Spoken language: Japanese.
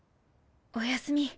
おやすみ。